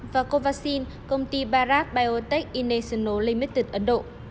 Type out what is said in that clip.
và covaxin công ty bharat biotech international limited ấn độ